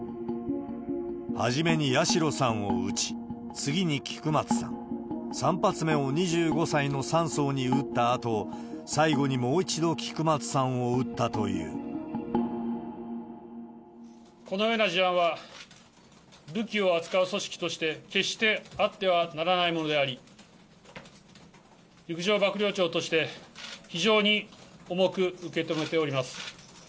初めに矢代さんを撃ち、次に菊松さん、３発目を２５歳の３曹に撃ったあと、最後にもう一度菊松さんを撃このような事案は、武器を扱う組織として決してあってはならないものであり、陸上幕僚長として非常に重く受け止めております。